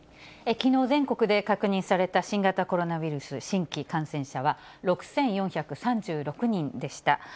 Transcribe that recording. きのう全国で確認された新型コロナウイルス新規感染者は６４３６人でした。